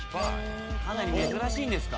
かなり珍しいんですか？